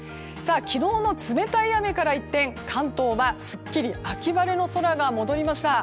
昨日の冷たい雨から一転関東はすっきり秋晴れの空が戻りました。